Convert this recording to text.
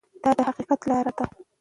دا د حقیقت لاره ده.